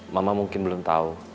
mama mungkin belum tahu